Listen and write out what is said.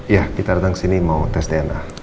ya kita datang ke sini mau tes dna